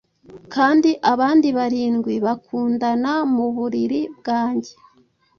Kandi abandi barindwi bakundana muburiri bwanjye